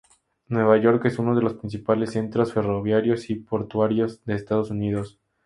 Nueva York es uno de los principales centros ferroviarios y portuarios de Estados Unidos.